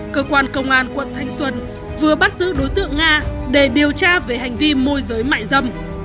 cơ quan công an quận thanh xuân vừa bắt giữ đối tượng nga để điều tra về hành vi môi giới mại dâm